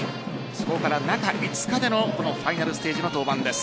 そこから中５日でのこのファイナルステージの登板です。